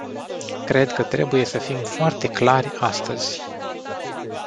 Cred că trebuie să fim foarte clari astăzi.